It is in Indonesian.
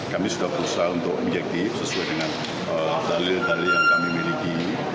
kami sudah berusaha untuk objektif sesuai dengan dalil dalil yang kami miliki